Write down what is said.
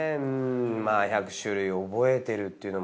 まあ１００種類覚えてるっていうのも。